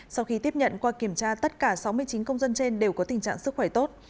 sau khi tiếp nhận qua kiểm tra tất cả sáu mươi chín công dân trên đều có tình trạng sức khỏe tốt